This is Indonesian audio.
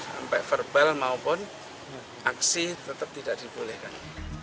sampai verbal maupun aksi tetap tidak dibolehkan